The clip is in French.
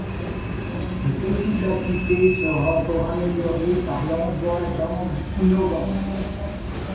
Cette efficacité sera encore améliorée par l'emploi d'angles innovants.